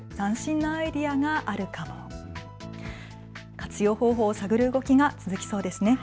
活用方法を探る動きが続きそうですね。